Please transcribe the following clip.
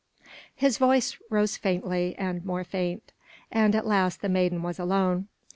= His voice rose faintly and more faint, and at last the maiden was alone.